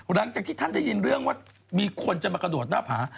หลังจากที่ท่านได้ยินเรื่องว่ามีคนจะมากระโดดหน้าผา